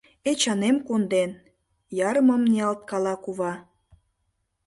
— Эчанем конден, — ярымым ниялткала кува.